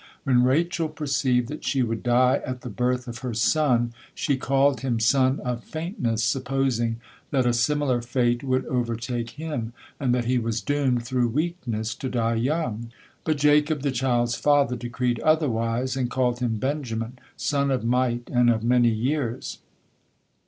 When Rachel perceived that she would die at the birth of her son, she called him "son of faintness," supposing that a similar fate would overtake him, and that he was doomed through weakness to die young. But Jacob, the child's father, decreed otherwise, and called him Benjamin, "son of might and of many years."